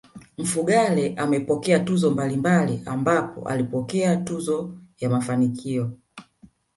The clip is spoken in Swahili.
Mfugale amepokea tuzo mbalimbali ambapo alipokea tuzo ya mafanikio